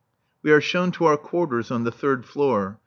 We are shown to our quarters on the third floor.